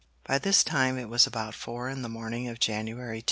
By this time it was about four in the morning of January 2.